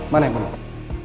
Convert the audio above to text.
mana yang pertama